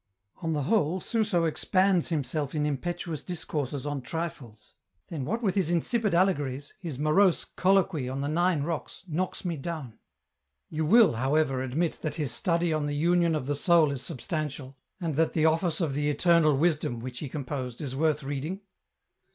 " On the whole, Suso expands himself in impetuous dis courses on trifles ; then what with his insipid allegories, his morose ' Colloquy on the Nine Rocks ' knocks me down." " You will, however, admit that his study on the Union of the Soul is substantial, and that the ' Office of the Eternal Wisdom ' which he composed is worth reading